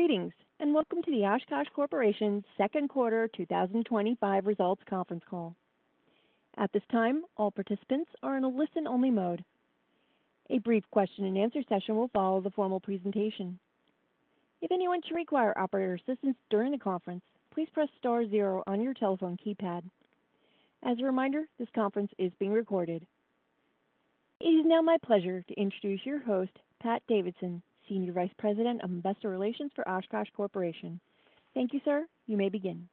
Greetings and welcome to the Oshkosh Corporation Second Quarter 2025 Results Conference Call. At this time, all participants are in a listen-only mode. A brief question and answer session will follow the formal presentation. If anyone should require operator assistance during the conference, please press star zero on your telephone keypad. As a reminder, this conference is being recorded. It is now my pleasure to introduce your host, Pat Davidson, Senior Vice President of Investor Relations for Oshkosh Corporation. Thank you, sir. You may begin.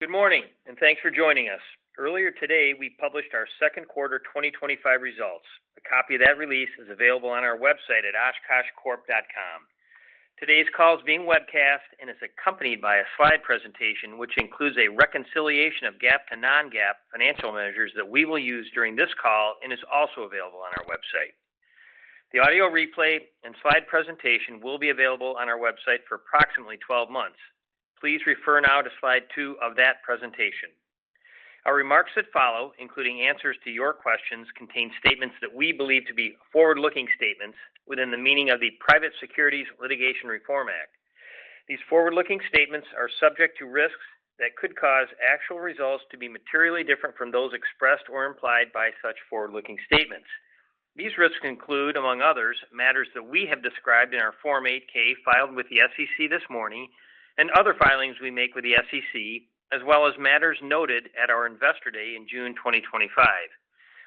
Good morning and thanks for joining us. Earlier today we published our second quarter 2025 results. A copy of that release is available on our website at oshkoshcorp.com. Today's call is being webcast and is accompanied by a slide presentation which includes a reconciliation of GAAP to non-GAAP financial measures that we will use during this call and is also available on our website. The audio replay and slide presentation will be available on our website for approximately 12 months. Please refer now to slide two of that presentation. Our remarks that follow, including answers to your questions, contain statements that we believe to be forward-looking statements within the meaning of the Private Securities Litigation Reform Act. These forward-looking statements are subject to risks that could cause actual results to be materially different from those expressed or implied by such forward-looking statements. These risks include, among others, matters that we have described in our Form 8-K filed with the SEC this morning and other filings we make with the SEC, as well as matters noted at our Investor Day in June 2025.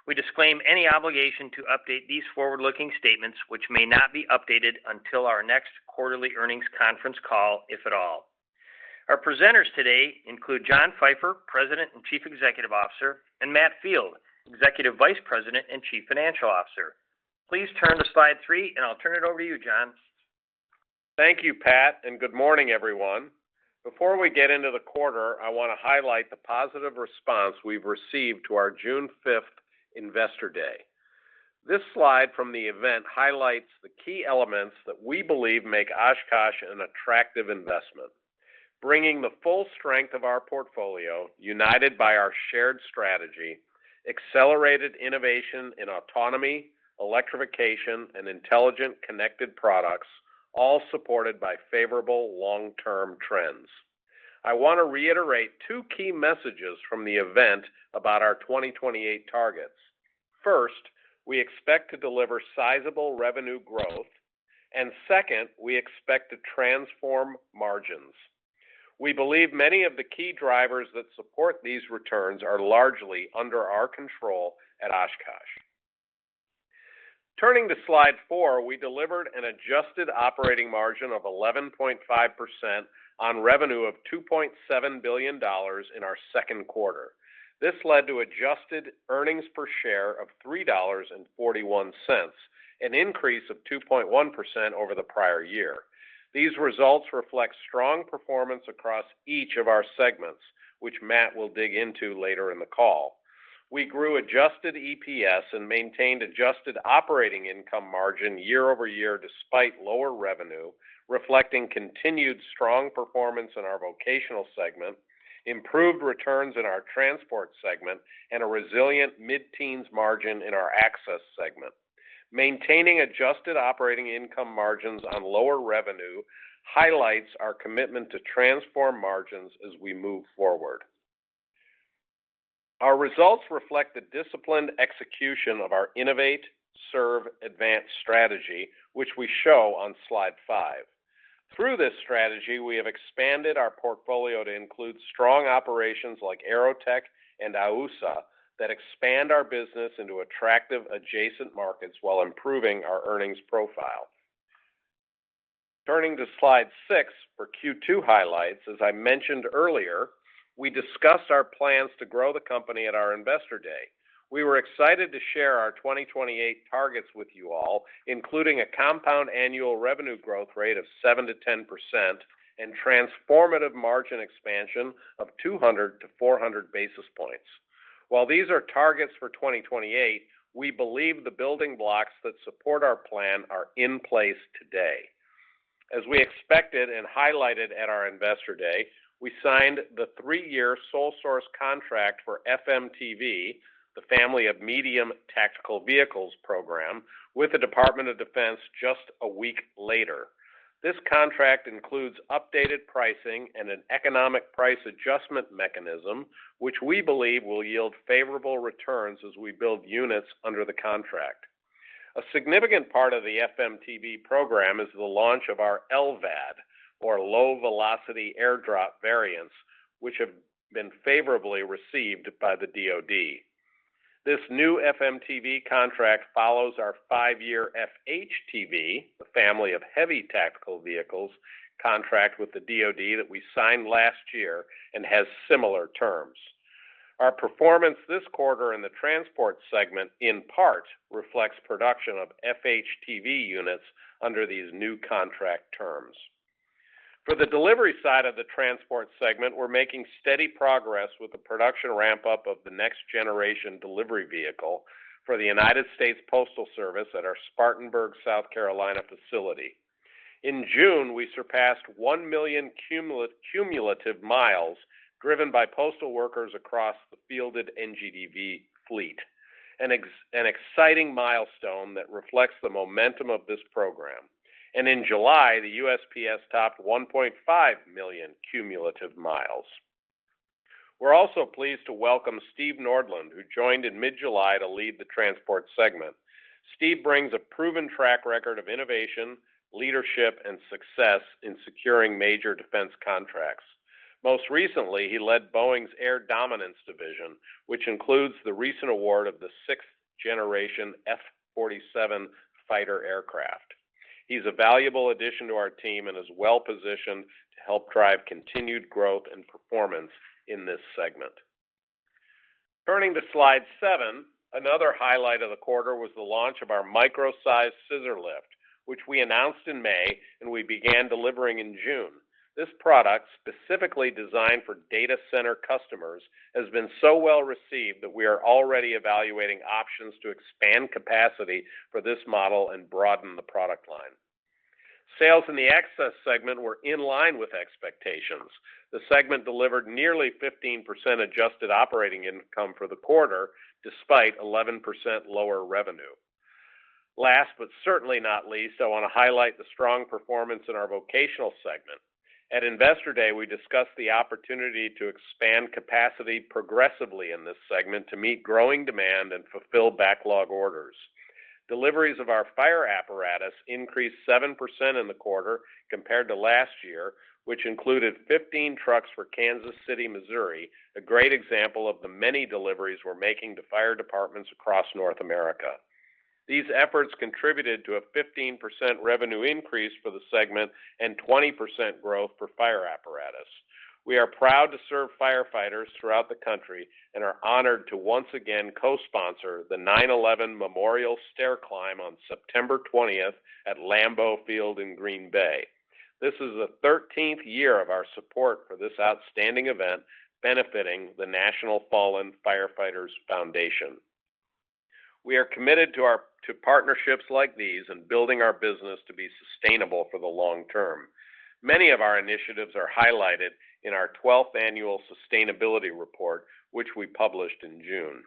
We disclaim any obligation to update these forward-looking statements which may not be updated until our next quarterly earnings conference call, if at all. Our presenters today include John Pfeifer, President and Chief Executive Officer, and Matt Field, Executive Vice President and Chief Financial Officer. Please turn to slide three and I'll turn it over to you, John. Thank you, Pat, and good morning everyone. Before we get into the quarter, I want to highlight the positive response we've received to our June 5th Investor Day. This slide from the event highlights the key elements that we believe make Oshkosh an attractive investment, bringing the full strength of our portfolio united by our shared strategy, accelerated innovation in autonomy, electrification and intelligent connected products, all supported by favorable long-term trends. I want to reiterate two key messages from the event about our 2028 targets. First, we expect to deliver sizable revenue growth and second, we expect to transform margins. We believe many of the key drivers that support these returns are largely under our control at Oshkosh. Turning to slide four, we delivered an adjusted operating margin of 11.5% on revenue of $2.7 billion in our second quarter. This led to adjusted earnings per share of $3.41, an increase of 2.1% over the prior year. These results reflect strong performance across each of our segments, which Matt will dig into later in the call. We adjusted EPS adjusted operating income margin year-over-year despite lower revenue, reflecting continued strong performance in our vocational segment, improved returns in our transport segment, and a resilient mid teens margin in our access adjusted operating income margins on lower revenue highlights our commitment to transform margins as we move forward. Our results reflect the disciplined execution of our Innovate Serve Advance strategy, which we show on slide five. Through this strategy, we have expanded our portfolio to include strong operations like Aerotech and AUSA that expand our business into attractive adjacent markets while improving our earnings profile. Turning to slide six for Q2 highlights, as I mentioned earlier, we discussed our plans to grow the company at our investor day. We were excited to share our 2028 targets with you all, including a compound annual revenue growth rate of 7%-10% and transformative margin expansion of 200-400 basis points. While these are targets for 2028, we believe the building blocks that support our plan are in place today. As we expected and highlighted at our investor day, we signed the three year sole source contract for FMTV, the Family of Medium Tactical Vehicles program, with the Department of Defense just a week later. This contract includes updated pricing and an economic price adjustment mechanism, which we believe will yield favorable returns as we build units under the contract. A significant part of the FMTV program is the launch of our LVAD, or Low-Velocity Airdrop variants, which have been favorably received by the DoD. This new FMTV contract follows our five year FHTV, the Family of Heavy Tactical Vehicles contract with the DoD that we signed last year and has similar terms. Our performance this quarter in the Transport segment. Segment in part reflects production of FHTV units under these new contract terms. For the delivery side of the Transport segment, we're making steady progress with the production ramp up of the Next Generation Delivery Vehicle for the United States Postal Service. At our Spartanburg, South Carolina facility in June, we surpassed 1 million cumulative miles driven by postal workers across the fielded NGDV fleet, an exciting milestone that reflects the momentum of this program. In July, the USPS topped 1.5 million cumulative miles. We're also pleased to welcome Steve Nordlund, who joined in mid-July to lead the Transport segment. Steve brings a proven track record of innovation, leadership, and success in securing major defense contracts. Most recently, he led Boeing's Air Dominance division, which includes the recent award of the Sixth-generation F47 fighter aircraft. He's a valuable addition to our team and is well positioned to help drive continued growth and performance in this segment. Turning to slide seven, another highlight of the quarter was the launch of our micro scissor lift, which we announced in May and began delivering in June. This product, specifically designed for data center customers, has been so well received that we are already evaluating options to expand capacity for this model and broaden the product line. Sales in the Access segment were in line with expectations. The segment delivered adjusted operating income for the quarter despite 11% lower revenue. Last but certainly not least, I want to highlight the strong performance in our Vocational segment. At Investor Day, we discussed the opportunity to expand capacity progressively in this segment to meet growing demand and fulfill backlog orders. Deliveries of our fire apparatus increased 7% in the quarter compared to last year, which included 15 trucks for Kansas City, Missouri, a great example of the many deliveries we're making to fire departments across North America. These efforts contributed to a 15% revenue increase for the segment and 20% growth for fire apparatus. We are proud to serve firefighters throughout the country and are honored to once again co-sponsor the 9/11 Memorial Stair Climb on September 20 at Lambeau Field in Green Bay. This is the 13th year of our support for this outstanding event benefiting the National Fallen Firefighters Foundation. We are committed to partnerships like these and building our business to be sustainable for the long term. Many of our initiatives are highlighted in our 12th annual sustainability report, which we published in June.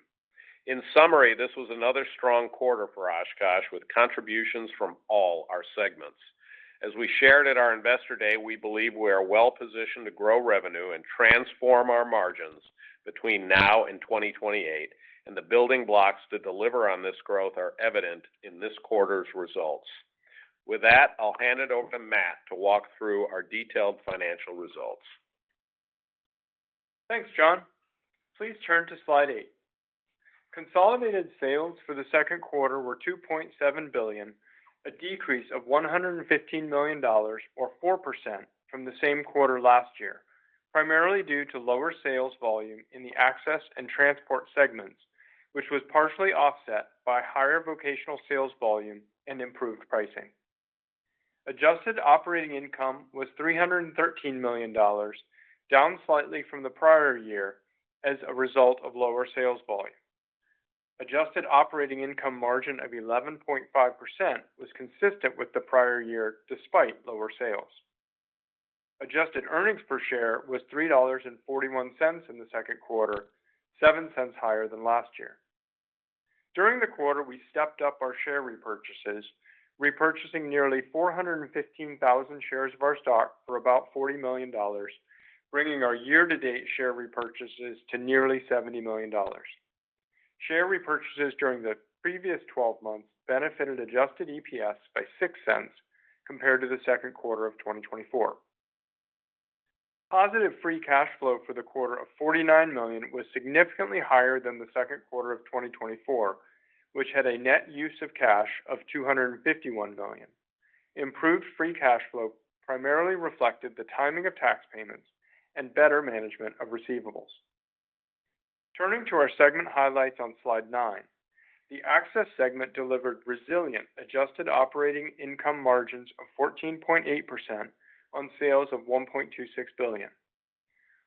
In summary, this was another strong quarter for Oshkosh with contributions from all our segments. As we shared at our Investor Day, we believe we are well positioned to grow revenue and transform our margins between now and 2028, and the building blocks to deliver on this growth are evident in this quarter's results. With that, I'll hand it over to Matt to walk through our detailed financial results. Thanks, John. Please turn to Slide eight. Consolidated sales for the second quarter were $2.7 billion, a decrease of $115 million or 4% from the same quarter last year, primarily due to lower sales volume in the Access and Transport segments, which was partially offset by higher vocational sales volume and improved pricing. Adjusted operating income was $313 million, down slightly from the prior year as a result of lower sales volume. Adjusted operating income margin of 11.5% was consistent with the prior year despite lower sales. Adjusted earnings per share was $3.41 in the second quarter, $0.07 higher than last year. During the quarter we stepped up share repurchases, repurchasing nearly 415,000 shares of our stock for about $40 million, bringing our year to share repurchases to nearly $70 million. Share repurchases during the previous 12 months adjusted EPS by $0.06 compared to the second quarter of free cash flow for the quarter of $49 million was significantly higher than the second quarter of 2024, which had a net use of cash of $251 free cash flow primarily reflected the timing of tax payments and better management of receivables. Turning to our segment highlights on Slide nine, the Access segment adjusted operating income margins of 14.8% on sales of $1.26 billion.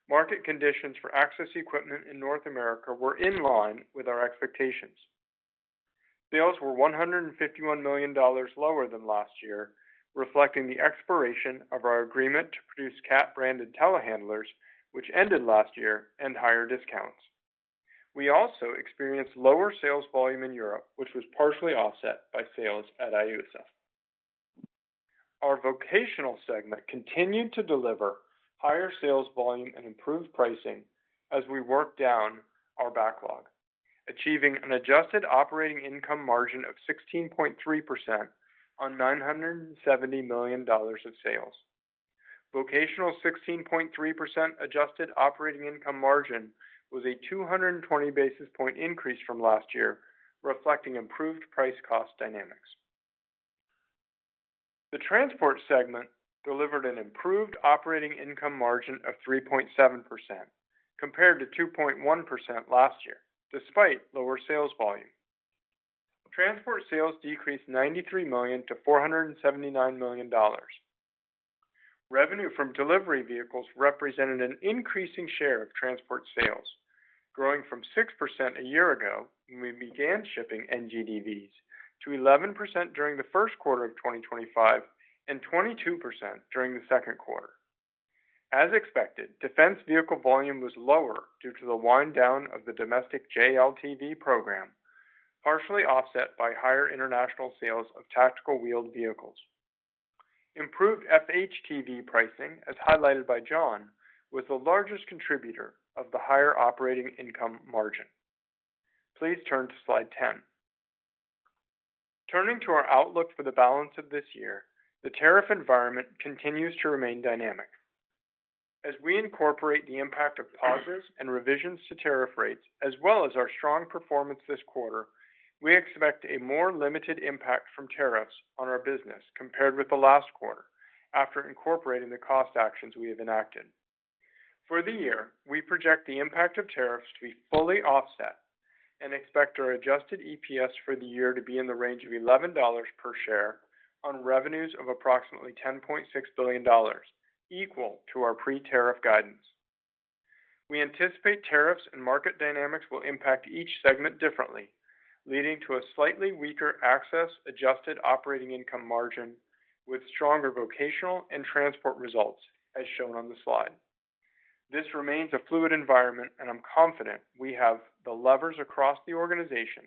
Market conditions for Access equipment in North America were in line with our expectations. Sales were $151 million lower than last year, reflecting the expiration of our agreement to produce CAT branded Telehandlers which ended last year, and higher discounts. We also experienced lower sales volume in Europe, which was partially offset by sales at AUSA. Our Vocational segment continued to deliver higher sales volume and improved pricing as we worked down our backlog, adjusted operating income margin of 16.3% on $970 million of sales. adjusted operating income margin was a 220 basis point increase from last year, reflecting improved price cost dynamics. The Transport segment delivered an improved operating income margin of 3.7% compared to 2.1% last year. Despite lower sales volume, Transport sales decreased $93 million to $479 million. Revenue from delivery vehicles represented an increasing share of Transport sales, growing from 6% a year ago when we began shipping NGDVs to 11% during the first quarter of 2025 and 22% during the second quarter. As expected, defense vehicle volume was lower due to the wind down of the domestic JLTV program, partially offset by higher international sales of tactical wheeled vehicles. Improved FHTV pricing, as highlighted by John, was the largest contributor of the higher operating income margin. Please turn to Slide 10. Turning to our outlook for the balance of this year, the tariff environment continues to remain dynamic as we incorporate the impact of pauses and revisions to tariff rates as well as our strong performance. This quarter, we expect a more limited impact from tariffs on our business compared with the last quarter. After incorporating the cost actions we have enacted for the year, we project the impact of tariffs to be fully offset and expect adjusted EPS for the year to be in the range of $11 per share on revenues of approximately $10.6 billion, equal to our pre-tariff guidance. We anticipate tariffs and market dynamics will impact each segment differently, leading to a slightly adjusted operating income margin with stronger Vocational and Transport results as shown on the slide. This remains a fluid environment and I'm confident we have the levers across the organization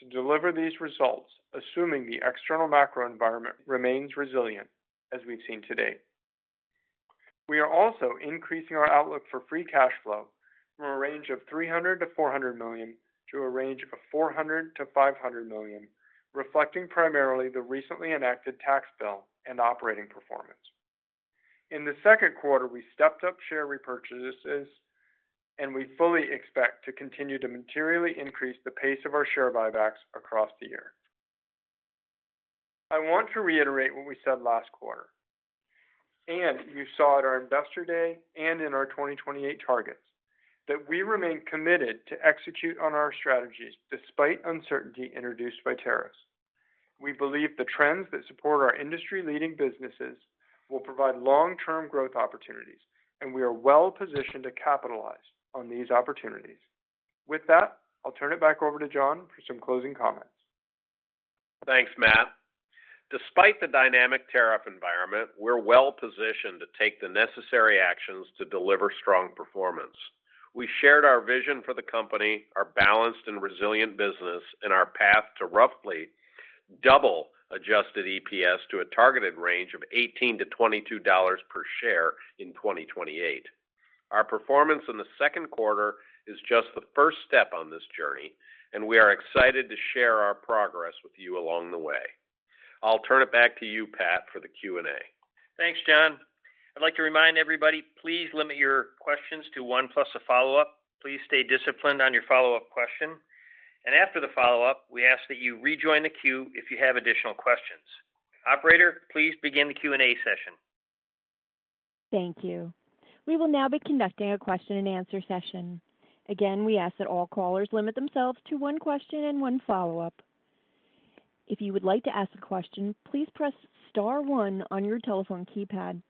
to deliver these results assuming the external macro environment remains resilient. As we've seen today, we are also increasing our free cash flow from a range of $300 million-$400 million to a range of $400 million-$500 million, reflecting primarily the recently enacted tax bill and operating performance. In the second quarter, we stepped share repurchases and we fully expect to continue to materially increase the pace of our share buybacks across the year. I want to reiterate what we said last quarter and you saw at our Investor Day and in our 2028 targets that we remain committed to execute on our strategies despite uncertainty introduced by tariffs. We believe the trends that support our industry leading businesses will provide long term growth opportunities and we are well positioned to capitalize on these opportunities. With that, I'll turn it back over to John for some closing comments. Thanks, Matt. Despite the dynamic tariff environment, we're well positioned to take the necessary actions to deliver strong performance. We shared our vision for the company, our balanced and resilient business, and our path to roughly adjusted EPS to a targeted range of $18 -$22 per share in 2028. Our performance in the second quarter is just the first step on this journey and we are excited to share our progress with you along the way. I'll turn it back to you, Pat, for the Q&A. Thanks, John. I'd like to remind everybody, please limit your questions to one plus a follow up. Please stay disciplined on your follow up question, and after the follow up we ask that you rejoin the queue if you have additional questions. Operator, please begin the Q&A session. Thank you. We will now be conducting a question and answer session. Again, we ask that all callers limit themselves to one question and one follow up. If you would like to ask a question, please press star one on your telephone keypad.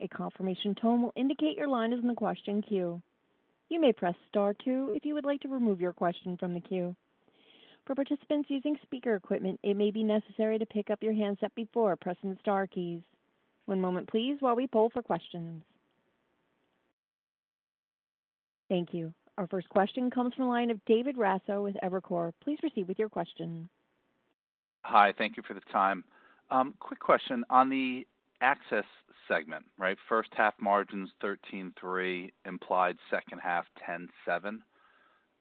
A confirmation tone will indicate your line is in the question queue. You may press star two if you would like to remove your question from the queue. For participants using speaker equipment, it may be necessary to pick up your handset before pressing the star keys. One moment please while we poll for questions. Thank you. Our first question comes from the line of David Raso with Evercore. Please proceed with your question. Hi, thank you for the time. Quick question on the Access segment, right. First half margins 13.3% implied. Second half 10.7%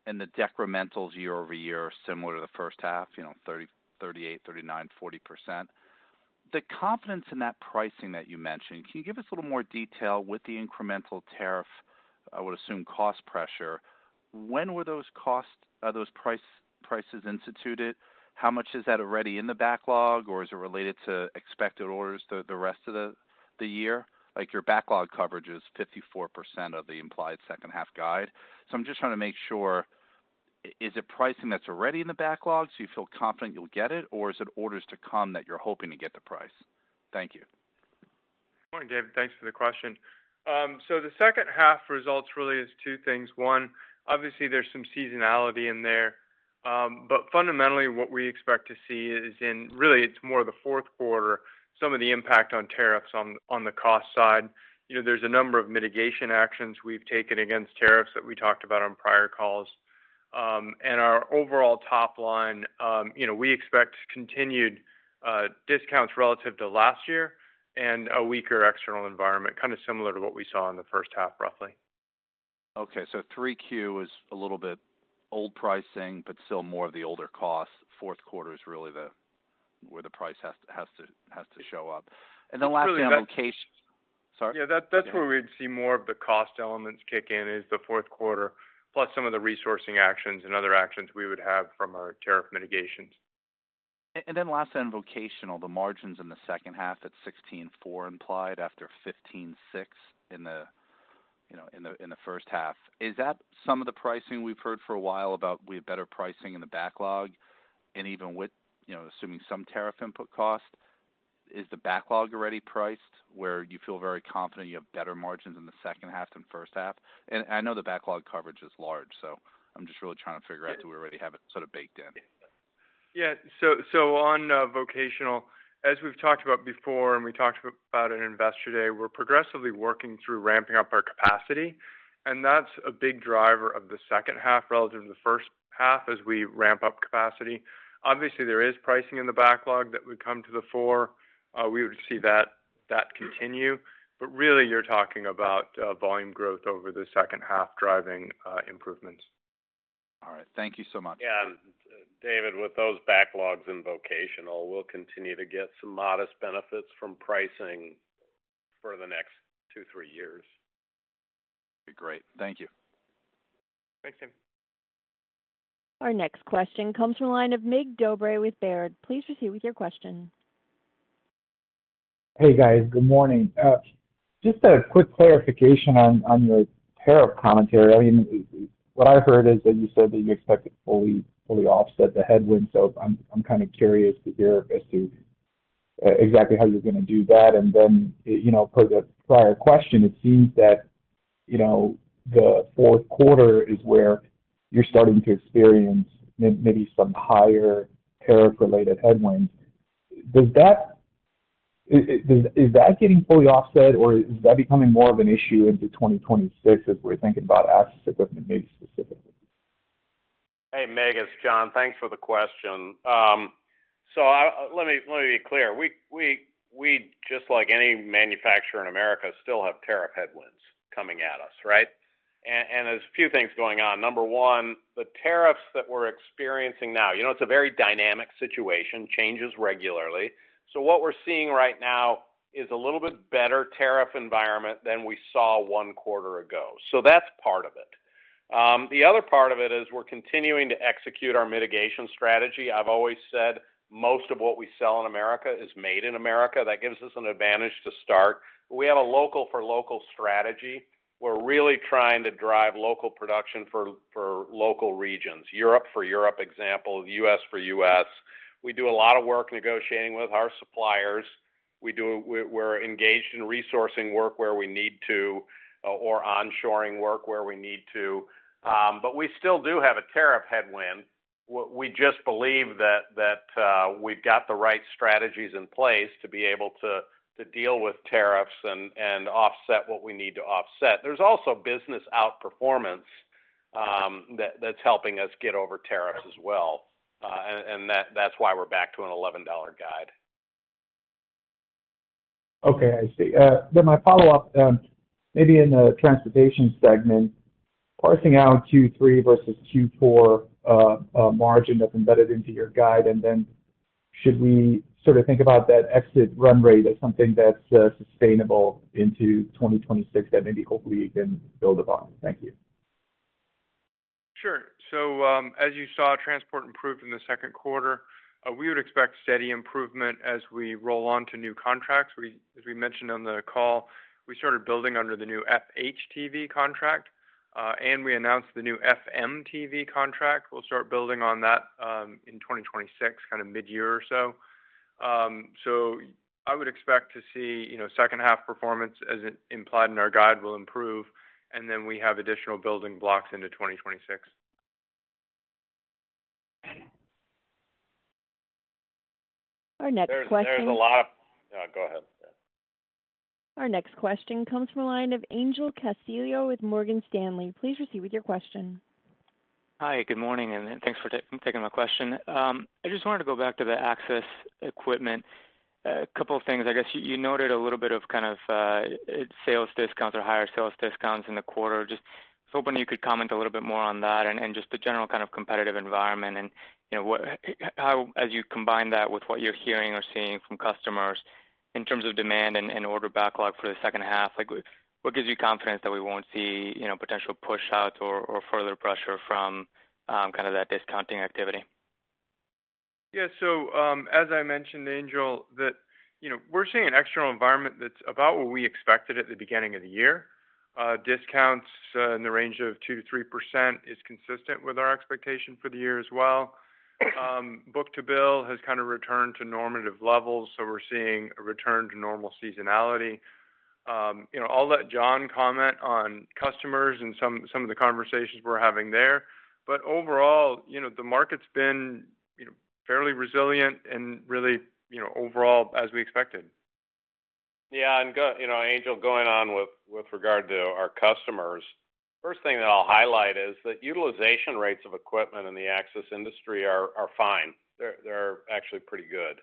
and the decrementals. Year-over-year, similar to the first half, you know, 38%, 39%, 40%. The confidence in that pricing that you mentioned. Can you give us a little more detail with the incremental tariff? I would assume cost pressure. When were those costs, those prices instituted? How much is that already in the backlog, or is it related to expected orders the rest of the year? Your backlog coverage is 54% of the implied second half guide. I'm just trying to make sure, is it pricing that's already in the. Backlog, so you feel confident you'll get it, or is it orders to come? That you're hoping to get the price? Thank you, David. Thanks for the question. The second half results really is two things. One, obviously there's some seasonality in there. Fundamentally what we expect to see is in really it's more the fourth quarter. Some of the impact on tariffs on the cost side, there's a number of mitigation actions we've taken against tariffs that we talked about on prior calls. Our overall top line, we expect continued discounts relative to last year and a weaker external environment, kind of similar to what we saw in the first half roughly. Okay, so 3Q is a little bit old pricing, but still more of the older costs. Fourth quarter is really where the price has to show up. Lastly, on location, that's where we'd see more of the cost elements kick in is the fourth quarter, plus some of the resourcing actions and other actions we would have from our tariff mitigations. Lastly, on vocational, the margins in the second half at 16.4% implied after 15.6% in the first half. Is that some of the pricing we've. Heard for a while about? We have better pricing in the backlog, and even with assuming some tariff input. Cost, is the backlog already priced where you feel very confident you have better? Margins in the second half than first half? I know the backlog coverage is. I'm just really trying to. Figure out, do we already have it sort of baked in? Yeah. On vocational, as we've talked about before and we talked about at Investor Day, we're progressively working through ramping up our capacity and that's a big driver of the second half relative to the first half. As we ramp up capacity, obviously there is pricing in the backlog that would come to the fore. We would see that continue. You're talking about volume growth over the second half, driving improvements. All right, thank you so much, David. With those backlogs and Vocational, we'll continue to get some modest benefits from pricing for the next two, three years. Great, thank you. Thanks, Tim. Our next question comes from the line of Mig Dobre with Baird. Please proceed with your question. Hey guys, good morning. Just a quick clarification on your tariff commentary. I mean, what I heard is that you said that you expect to fully offset the headwind. I'm kind of curious to hear as to exactly how you're going to do that. Per the prior question, it seems that the fourth quarter is where you're starting to experience maybe some higher tariff related headwinds. Is that getting fully offset or is that becoming more of an issue into 2026 as we're thinking about asset equipment, maybe specifically. Hey Mig, it's John. Thanks for the question. Let me be clear. We, just like any manufacturer in America, still have tariff headwinds coming at us, right? There are a few things going on. Number one, the tariffs that we're experiencing now, you know, it's a very dynamic situation, changes regularly. What we're seeing right now is a little bit better tariff environment than we saw one quarter ago. That's part of it. The other part of it is we're continuing to execute our mitigation strategy. I've always said most of what we sell in America is made in America. That gives us an advantage. To start, we have a local for local strategy. We're really trying to drive local production for local regions. Europe for Europe, for example, U.S. for U.S. We do a lot of work negotiating with our suppliers. We're engaged in resourcing work where we need to or onshoring work where we need to. We still do have a tariff headwind. We just believe that we've got the right strategies in place to be able to deal with tariffs and offset what we need to offset. There's also business outperformance that's helping us get over tariffs as well. That's why we're back to an $11 guide. Okay, I see. My follow up maybe in the Transport segment, parsing out Q3 versus Q4 margin that's embedded into your guide. Should we sort of think about that exit run rate as something that's sustainable into 2026 that maybe hopefully you can build upon. Thank you. Sure. As you saw, Transport improved in the second quarter. We would expect steady improvement as we roll on to new contracts. As we mentioned on the call, we started building under the new FHTV contract, and we announced the new FMTV. We'll start building on that in 2026, kind of mid-year or so. I would expect to see second half performance, as implied in our guide, will improve, and then we have additional building blocks into 2027. Our next question, there's a lot of—go ahead. Our next question comes from the line of Angel Castillo with Morgan Stanley. Please proceed with your question. Hi, good morning and thanks for taking my question. I just wanted to go back to the access equipment. A couple of things. I guess you noted a little bit of kind of sales discounts or higher sales discounts in the quarter. Just hoping you could comment a little bit more on that and just the general kind of competitive environment and, you know, as you combine that with what you're hearing or seeing from customers in terms of demand and order backlog for the second half, what gives you confidence that we won't see potential pushouts or further pressure from kind of that discounting activity? Yeah, as I mentioned, you know, we're seeing an external environment that's about what we expected at the beginning of the year. Discounts in the range of 2%-3% is consistent with our expectation for the year as well. book to bill has kind of returned to normative levels, so we're seeing a return to normal seasonality. I'll let John comment on customers and some of the conversations we're having there, but overall, the market's been fairly resilient and really, overall as we expected. Yeah. You know, with regard to our customers, first thing that I'll highlight is that utilization rates of equipment in the access industry are fine. They're actually pretty good.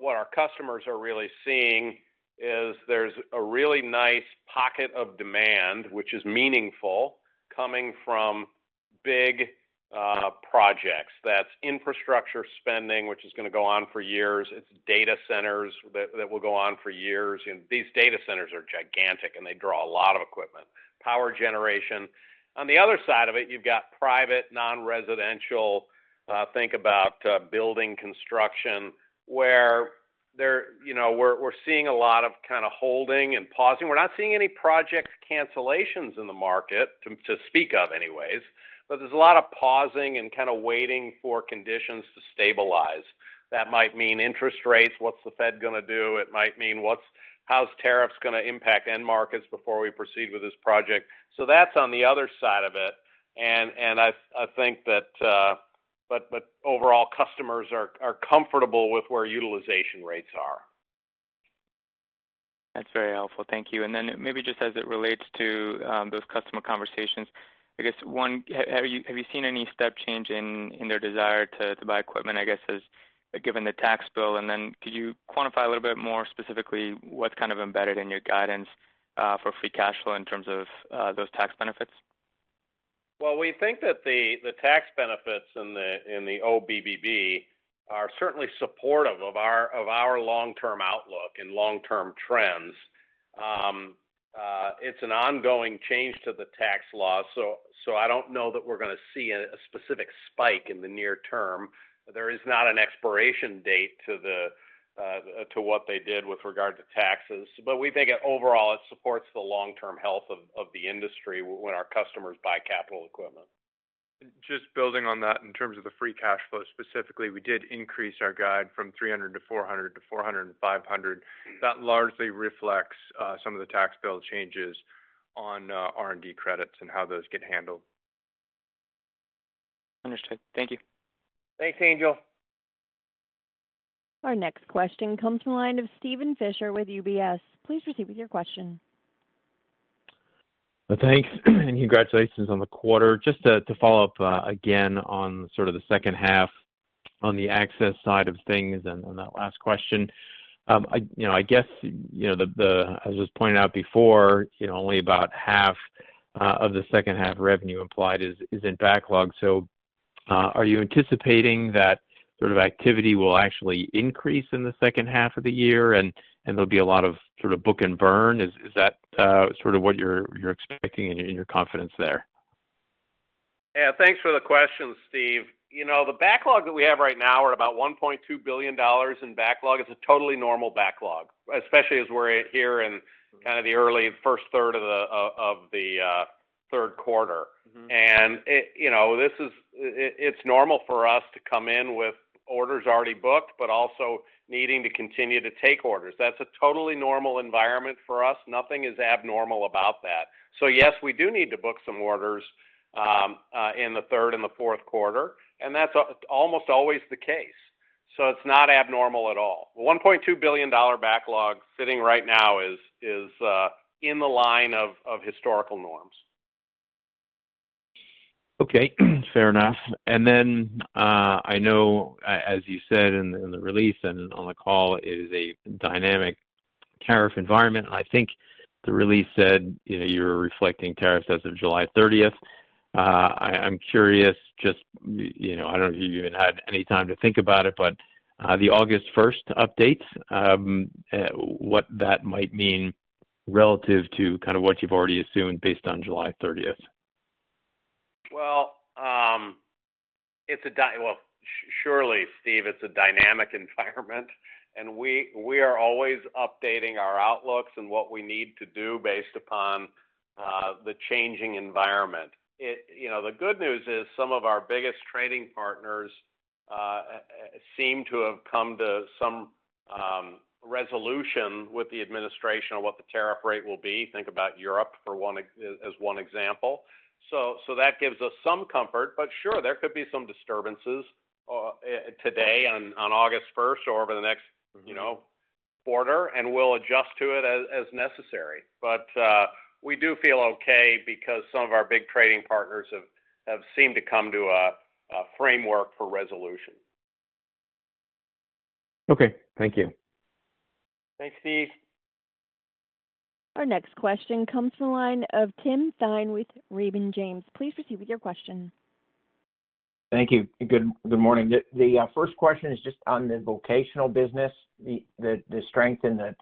What our customers are really seeing is there's a really nice pocket of demand which is meaningful coming from big projects. That's infrastructure spending which is going to go on for years. It's data centers that will go on for years. These data centers are gigantic and they draw a lot of equipment power generation. On the other side of it you've got private, non-residential. Think about building construction where there, you know, we're seeing a lot of kind of holding and pausing. We're not seeing any project cancellations in the market to speak of anyways. There's a lot of pausing and kind of waiting for conditions to stabilize. That might mean interest rates. What's the Fed going to do? It might mean how are tariffs going to impact end markets before we proceed with this project? That's on the other side of it. I think that overall customers are comfortable with where utilization rates are. That's very helpful, thank you. Maybe just as it relates to those customer conversations, I guess one, have you seen any step change in their desire to buy equipment as given the tax bill? Could you quantify a little bit more specifically what's kind of embedded in your free cash flow in terms of those tax benefits? We think that the tax benefits in the OBBB are certainly supportive of our long term outlook and long term trends. It's an ongoing change to the tax law. I don't know that we're going to see a specific spike in the near term. There is not an expiration date to what they did with regard to taxes. We think overall it supports the long term health of the industry when our customers buy capital equipment. Just building on that in terms free cash flow specifically, we did increase our guide from $300 million-$400 million to $400 million-$500 million. That largely reflects some of the tax law changes on R&D credits and how those get handled. Understood. Thank you. Thanks Angel. Our next question comes to the line of Steven Fisher with UBS. Please proceed with your question. Thanks. Congratulations on the quarter. Just to follow up again on sort of the second half on the Access side of things and that last question. I guess, as. was pointing out before, you know, only about half of the second half revenue implied is in backlog. Are you anticipating that sort of? Activity will actually increase in the second half of the year, and there'll be a lot of sort of book and burn. Is that sort of what you're expecting in your confidence there? Yeah, thanks for the question, Steve. The backlog that we have right now is about $1.2 billion in backlog. It's a totally normal backlog, especially as we're here in kind of the early first third of the third quarter. This is, it's normal for us to come in with orders already booked but also needing to continue to take orders. That's a totally normal environment for us. Nothing is abnormal about that. Yes, we do need to book some orders in the third and the fourth quarter and that's almost always the case. It's not abnormal at all. $1.2 billion backlog sitting right now is in the line of historical norms. Okay, fair enough. I know, as you said in the release and on the call, it is a dynamic tariff environment. I think the release said you were reflecting tariffs as of July 30th. I'm curious, just I don't know if. You even had any time to think. About it, the August 1st updates. What that might mean relative to kind. Of what you've already assumed based on July 30th. It's a dynamic environment and we are always updating our outlooks and what we need to do based upon the changing environment. The good news is some of our biggest trading partners seem to have come to some resolution with the administration of what the tariff rate will be. Think about Europe for one, as one example. That gives us some comfort. There could be some disturbances today on August 1st or over the next quarter and we'll adjust to it as necessary. We do feel okay because some of our big trading partners have seemed to come to a framework for resolution. Okay, thank you. Thanks, Steve. Our next question comes from the line of Tim Thein with Raymond James. Please proceed with your question. Thank you. Good morning. The first question is just on the vocational business. The strength in the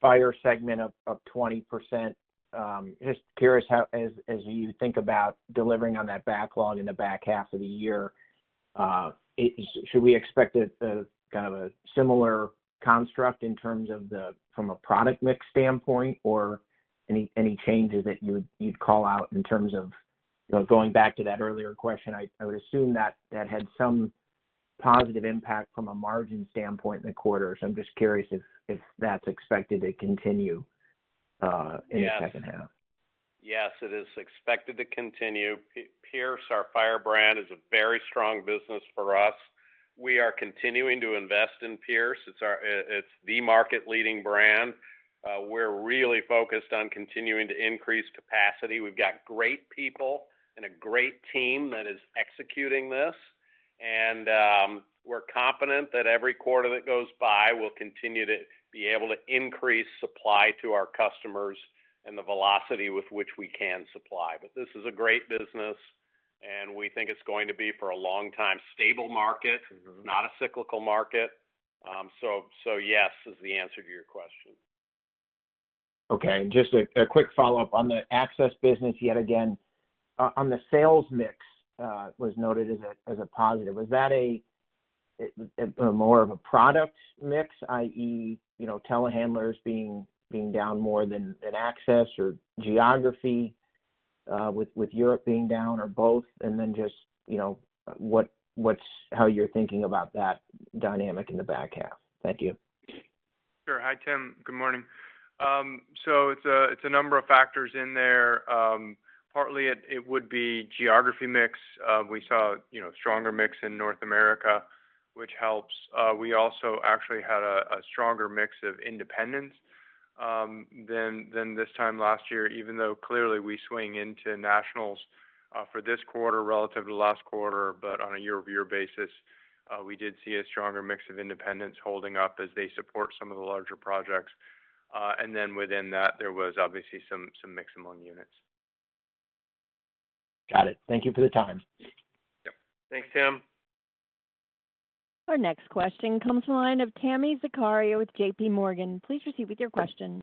Fire segment of 20%. Just curious how, as you think about delivering on that backlog in the back half of the year, should we expect kind of a similar construct in terms of the, from a product mix standpoint or any changes that you'd call out? In terms of going back to that earlier question, I would assume that that had some positive impact from a margin standpoint in the quarter. I'm just curious if that's expected to continue in the second half. Yes, it is expected to continue. Pierce, our fire brand, is a very strong business for us. We are continuing to invest in Pierce. It's the market leading brand. We're really focused on continuing to increase capacity. We've got great people and a great team that is executing this, and we're confident that every quarter that goes by we'll continue to be able to increase supply to our customers and the velocity with which we can supply. This is a great business, and we think it's going to be for a long time a stable market, not a cyclical market. Yes, is the answer to your question. Okay, just a quick follow-up on the Access business. Yet again, on the sales mix, was noted as a positive. Was that more of a product? Mix, that is, you know, Telehandlers being down more than Access or geography with Europe being down or both. Just, you know, how you're thinking about that dynamic in the back half. Thank you. Sure. Hi, Tim. Good morning. It's a number of factors in there. Partly it would be geography mix. We saw, you know, stronger mix in North America, which helps. We also actually had a stronger mix of independents than this time last year, even though clearly we swing into nationals for this quarter relative to last quarter. On a year-over-year basis, we did see a stronger mix of independents holding up as they support some. Of the larger projects. Within that, there was obviously some mix among units. Got it. Thank you for the time. Thanks, Tim. Our next question comes in the line of Tami Zakaria with JPMorgan. Please proceed with your question.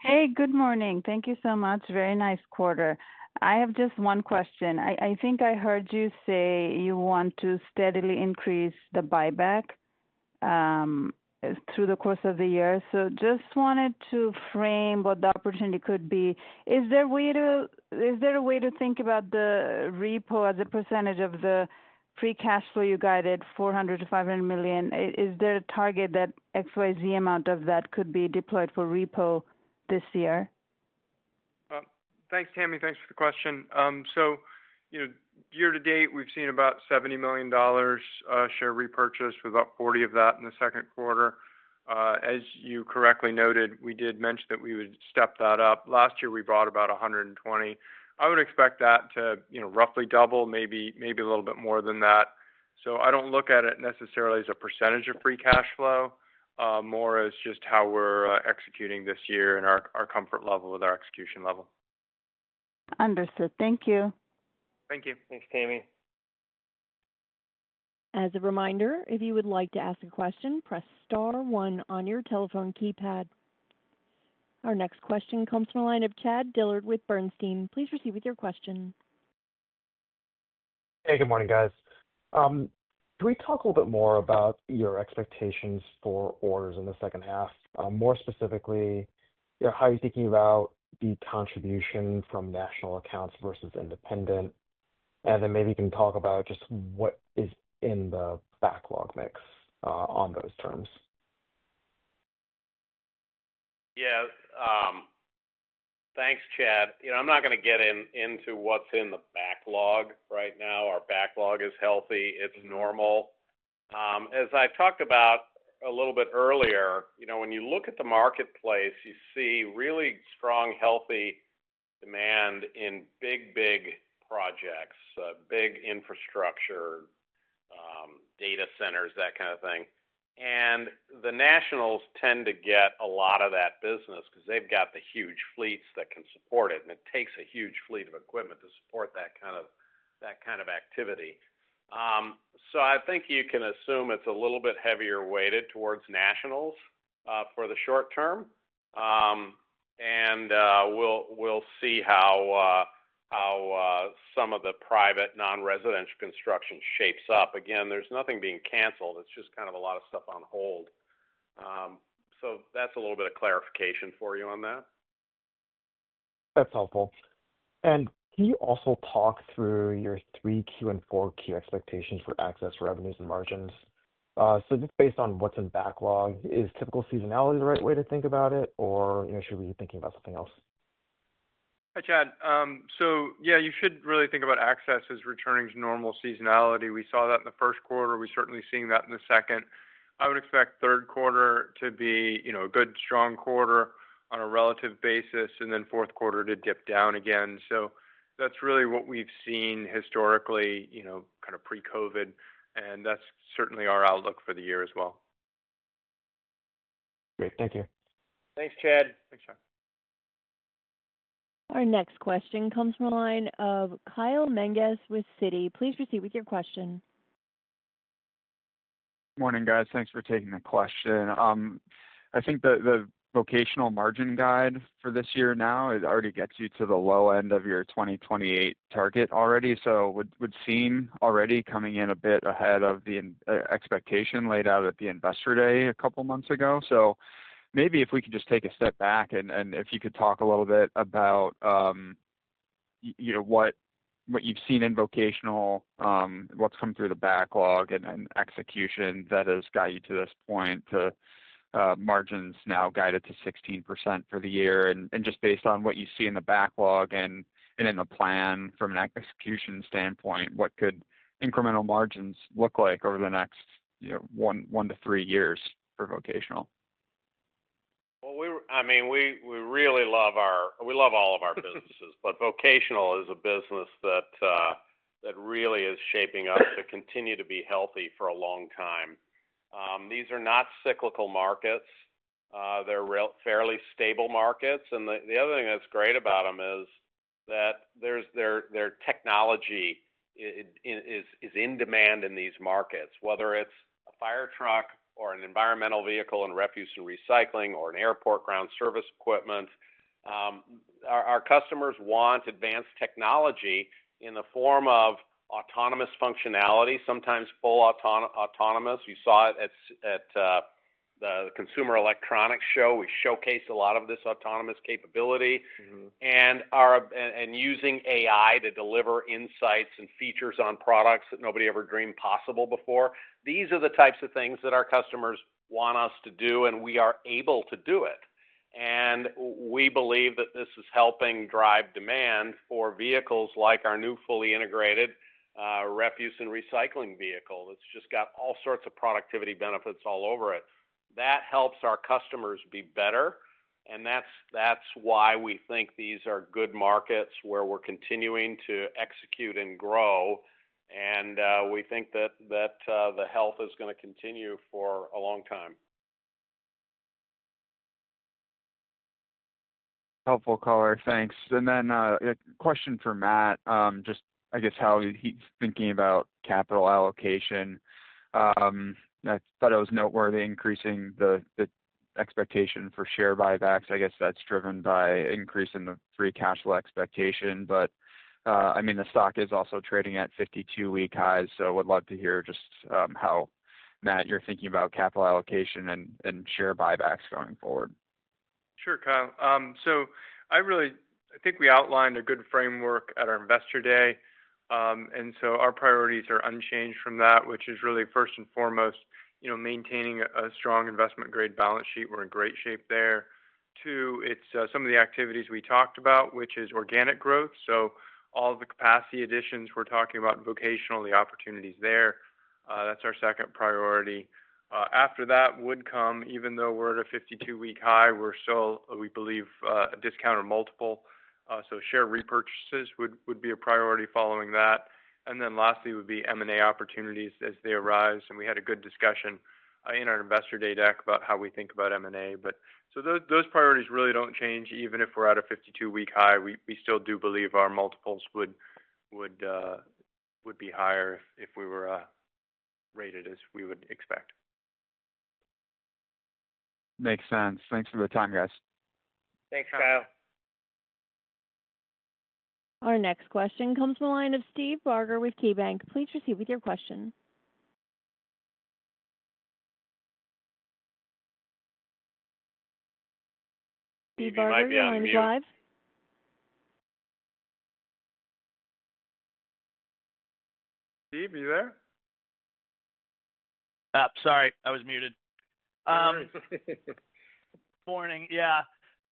Hey, good morning. Thank you so much. Very nice quarter. I have just one question. I think I heard you say you want to steadily increase the buyback. Through. Just wanted to frame what the opportunity could be. Is there a way to think about the repo as a percentage free cash flow? You guided $400-$500 million. Is there a target that XYZ amount of that could be deployed for repo this year? Thanks, Tami. Thanks for the question. Year to date we've seen about $70 million share repurchase with about $40 million of that in the second quarter. As you correctly noted, we did mention that we would step that up. Last year we brought about $120 million. I would expect that to roughly double, maybe a little bit more than that. I don't look at it necessarily as a free cash flow, more as just how we're executing this year and our comfort level with our execution level. Understood, thank you. Thank you. Thanks, Tami. As a reminder, if you would like to ask a question, press star one on your telephone keypad. Our next question comes from the line of Chad Dillard with Bernstein. Please proceed with your question. Hey, good morning, guys. Can we talk a little bit more about your expectations for orders in the second half? More specifically, how are you thinking about the contribution from national accounts versus independent? Maybe you can talk about just what is in the backlog mix on those terms? Yeah, thanks, Chad. I'm not going to get into what's in the backlog right now. Our backlog is healthy. It's normal. As I talked about a little bit earlier, when you look at the marketplace, you see really strong, healthy demand in big, big projects, big infrastructure, data centers, that kind of thing. The nationals tend to get a lot of that business because they've got the huge fleets that can support it. It takes a huge fleet of equipment to support that kind of activity. I think you can assume it's a little bit heavier, weighted towards nationals for the short term and we'll see how some of the private, non-residential construction shapes up. There's nothing being canceled. It's just kind of a lot of stuff on hold. That's a little bit of clarification for you on that. That's helpful. Can you also talk through your 3Q and 4Q expectations for Access, revenues, and margins? Just based on what's in backlog, is typical seasonality the right way to think about it or should we be thinking about something else? Hi, Chad. You should really think about Access as returning to normal seasonality. We saw that in the first quarter, we're certainly seeing that in the second. I would expect third quarter to be a good strong quarter on a relative basis, and fourth quarter to dip down again. That's really what we've seen historically, kind of pre-COVID, and that's certainly our outlook for the year as well. Great, thank you. Thanks, Chad. Thanks, Chad. Our next question comes from the line of Kyle Menges with Citi. Please proceed with your question. Morning, guys. Thanks for taking the question. I think the Vocational margin guide for this year now, it already gets you to the low end of your 2028 target already, so would seem already coming in a bit ahead of the expectation laid out at the investor day a couple months ago. Maybe if we could just take a step back and if you could talk a little bit about what you've seen in Vocational, what's come through the backlog and execution that has got you to this point? Margins now guided to 16% for the year just based on what you see in the backlog and in the plan. From an execution standpoint, what could incremental margins look like over the next one to three years for Vocational? We really love our, we love all of our businesses, but Vocational is a business that really is shaping up to continue to be healthy for a long time. These are not cyclical markets. They're fairly stable markets. The other thing that's great about them is that their technology is in demand in these markets. Whether it's a fire truck or an environmental vehicle and refuse and recycling or airport ground service equipment, our customers want advanced technology in the form of autonomous functionality, sometimes full autonomous. You saw it at the Consumer Electronics Show. We showcase a lot of this autonomous capability and using AI to deliver insights and features on products that nobody ever dreamed possible before. These are the types of things that our customers want us to do and we are able to do it. We believe that this is helping drive demand for vehicles like our new fully integrated refuse and recycling vehicle that's just got all sorts of productivity benefits all over it that helps our customers be better. That's why we think these are good markets where we're continuing to execute and grow and we think that the health is going to continue for a long time. Helpful caller, thanks. A question for Matt. Just I guess how he's thinking about capital allocation. I thought it was noteworthy, increasing the expectation for share buybacks. I guess that's driven by increase free cash flow expectation. I mean the stock is also trading at 52-week highs. I would love to hear just how Matt, you're thinking about capital allocation and share buybacks going forward. Sure, Kyle. I think we outlined a good framework at our investor day and our priorities are unchanged from that, which is really first and foremost maintaining a strong investment grade balance sheet. We're in great shape there. It's some of the activities we talked about, which is organic growth. All the capacity additions, we're talking about vocational, the opportunities there, that's our second priority. After that would come, even though we're at a 52-week high, we still, we believe, discounted multiple. Share repurchases would be a priority following that. Lastly would be M and A opportunities as they arise. We had a good discussion in our investor day deck about how we think about M and A. Those priorities really don't change. Even if we're at a 52-week high, we still do believe our multiples would be higher if we were rated as we would expect. Makes sense. Thanks for the time guys. Thanks, Kyle. Our next question comes from the line of Steve Barger with KeyBanc. Please proceed with your question. Sorry, I was muted. Morning. Yeah,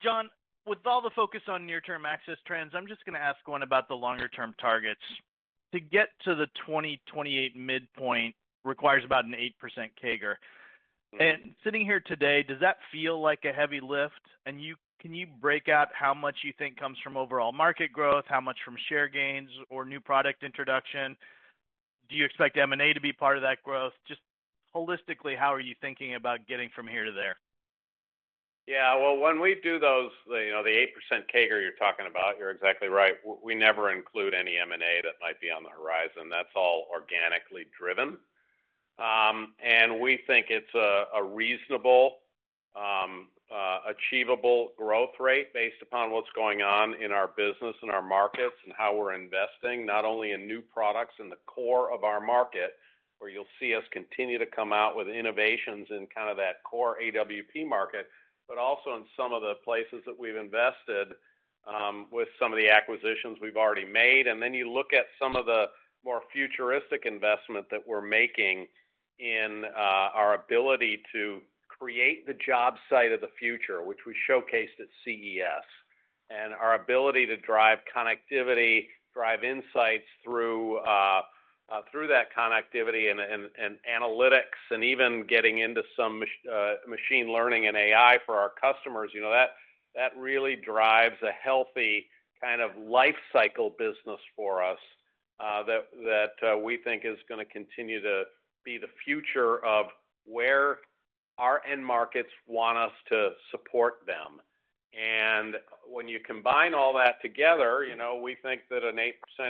John, with all the focus on. Near term access trends, I'm just going to ask one about the longer term targets. To get to the 2028 midpoint requires about an 8% CAGR. Sitting here today, does that feel like a heavy lift? Can you break out how. much you think comes from overall market? Growth, how much from share gains or new product introduction do you expect M&A to be part of that growth? Just holistically, how are you thinking about getting from here to there? Yeah, when we do those, you know, the 8% CAGR you're talking about, you're exactly right. We never include any M&A that might be on the horizon. That's all organically driven. We think it's a reasonable, achievable growth rate based upon what's going on in our business and our markets and how we're investing not only in new products in the core of our market, where you'll see us continue to come out with innovations in kind of that core AWP market, but also in some of the places that we've invested, with some of the acquisitions we've already made. You look at some of the more futuristic investment that we're making in our ability to create the job site of the future, which we showcased at CES, and our ability to drive connectivity, drive insights through that connectivity and analytics, and even getting into some machine learning and AI for our customers, that really drives a healthy kind of life cycle business for us that we think is going to continue to be the future of where our end markets want us to support them. When you combine all that together, we think that an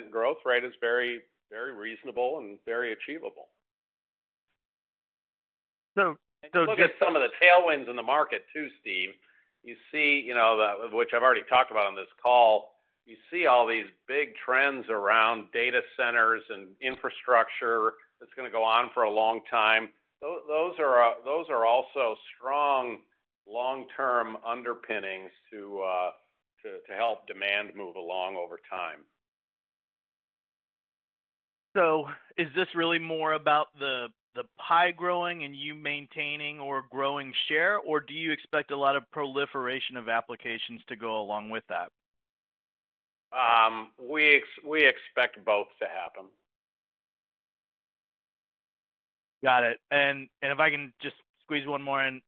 8% growth rate is very, very reasonable and very achievable. Some of the tailwinds in the market too, Steve, you see, which I've already talked about on this call, you see all these big trends around data centers and infrastructure that's going to go on for a long time. Those are also strong long-term underpinnings to help demand move along over time. Is this really more about the pie growing and you maintaining or growing. Share, or do you expect a lot of proliferation of applications to go along with that? We expect both to happen. Got it. If I can just squeeze one more in,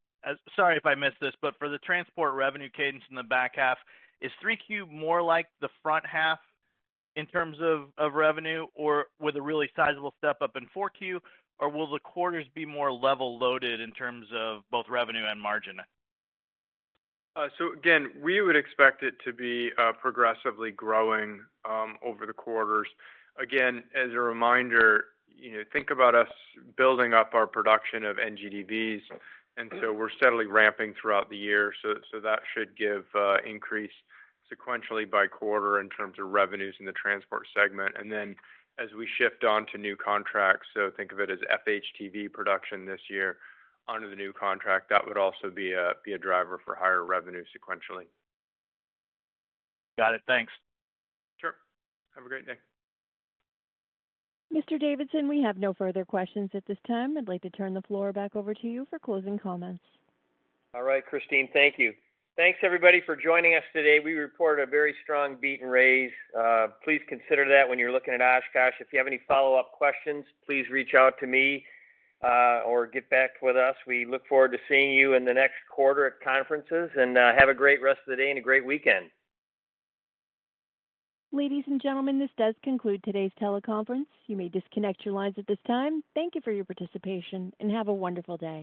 sorry if I missed this. For the transport revenue cadence in the back half, is 3Q more like the front half in terms of revenue, or with a really sizable step up in 4Q, or will the quarters be more level loaded in terms of both revenue and margin? We would expect it to be progressively growing over the quarters. Again, as a reminder, think about us building up our production of NGDVs, and we're steadily ramping throughout the year. That should give increase sequentially by quarter in terms of revenues in the Transport segment, and then as we shift on to new contracts. Think of it as FHTV production this year under the new contract that would also be a driver for higher revenue sequentially. Got it. Thanks. Sure. Have a great day. Mr. Davidson, we have no further questions at this time. I'd like to turn the floor back over to you for closing comments. All right, Christine, thank you. Thanks everybody for joining us today. We report a very strong beat and raise. Please consider that when you're looking at Oshkosh. If you have any follow up questions, please reach out to me or get back with us. We look forward to seeing you in the next quarter, at conferences, and have a great rest of the day and a great weekend. Ladies and gentlemen, this does conclude today's teleconference. You may disconnect your lines at this time. Thank you for your participation and have a wonderful day.